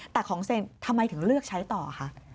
แต่ของเซ็นทำไมถึงเลือกใช้ต่อคะ